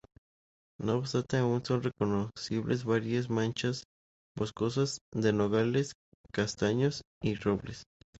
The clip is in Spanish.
No obstante aún son reconocibles varias manchas boscosas de nogales, castaños y robles.